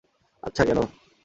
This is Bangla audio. আচ্ছা, কেন?